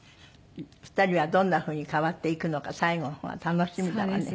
２人はどんな風に変わっていくのか最後の方が楽しみだわね。